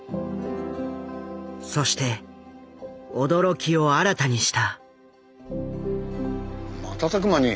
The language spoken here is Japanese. そして驚きを新たにした。